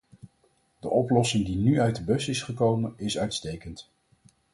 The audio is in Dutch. De oplossing die nu uit de bus is gekomen, is uitstekend.